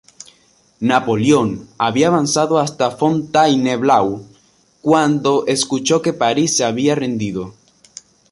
Napoleón había avanzado hasta Fontainebleau cuando escuchó que París se había rendido.